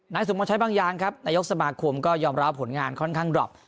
สมมุติใช้บางอย่างครับนายกสมาคมก็ยอมรับผลงานค่อนข้างดรอป